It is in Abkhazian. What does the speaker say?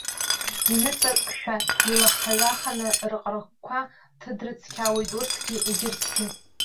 Иныҵакшәа илаха-ҩаханы рҟырҟқәа ҭыдрыцқьаауеит урҭгьы, егьырҭгьы.